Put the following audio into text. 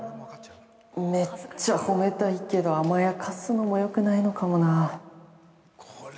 めっちゃ褒めたいけど甘やかすのもよくないのかもな。）